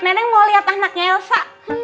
neneng mau lihat anaknya elsa